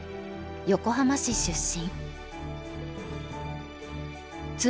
横浜市出身。